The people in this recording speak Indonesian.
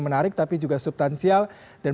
menarik tapi juga subtansial dan